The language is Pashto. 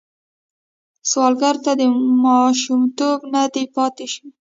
سوالګر ته ماشومتوب نه دی پاتې شوی